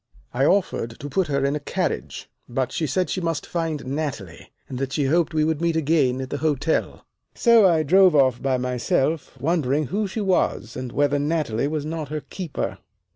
"I offered to put her in a carriage, but she said she must find Natalie, and that she hoped we would meet again at the hotel. So I drove off by myself, wondering who she was, and whether Natalie was not her keeper.